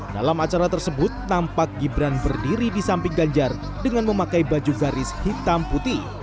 dalam acara tersebut nampak gibran berdiri di samping ganjar dengan memakai baju garis hitam putih